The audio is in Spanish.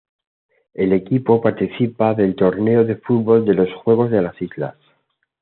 El equipo participa del torneo de fútbol de los Juegos de las Islas.